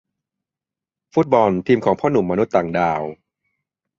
ฟุตบอล ทีมของพ่อหนุ่มมนุษย์ต่างดาว